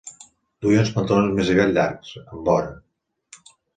Duia uns pantalons més aviat llargs, amb vora.